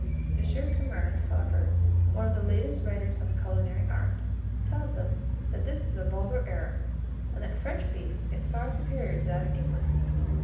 M. Curmer, however, one of the latest writers on the culinary art, tells us that this is a vulgar error, and that French beef is far superior to that of England.